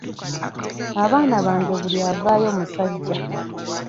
Abaana bange buli avaayo musajja.